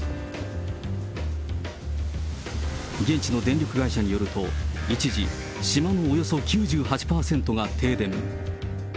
現地の電力会社によると、一時、島のおよそ９８％が停電。